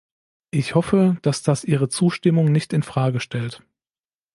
Ich hoffe, dass das Ihre Zustimmung nicht in Frage stellt.